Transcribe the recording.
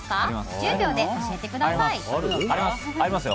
１０秒で教えてください。ありますよ。